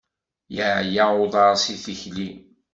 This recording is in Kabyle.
Yeɛya uḍar seg tikli.